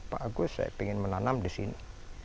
pak agus saya ingin menanam di sini